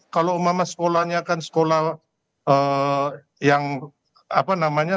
kalau mama sekolahnya kan sekolah yang apa namanya